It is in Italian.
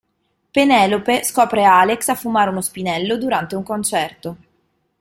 Penelope scopre Alex a fumare uno spinello durante un concerto.